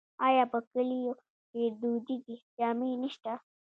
آیا په کلیو کې دودیزې جامې نشته؟